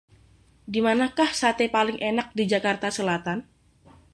Dimanakah sate paling enak di Jakarta Selatan?